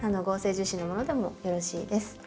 合成樹脂のものでもよろしいです。